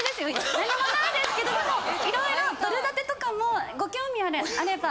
何もないですけどでも色々ドル建てとかもご興味あれば。